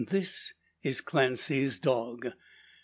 This is Clancy's dog.